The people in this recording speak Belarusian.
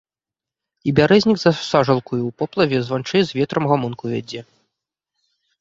І бярэзнік за сажалкаю ў поплаве званчэй з ветрам гамонку вядзе.